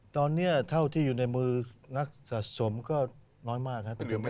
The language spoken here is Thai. ตอนนี้เท่าที่อยู่ในมือนักสะสมก็น้อยมากครับ